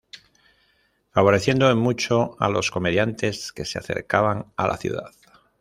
Favoreciendo en mucho a los comediantes que se acercaban a la ciudad.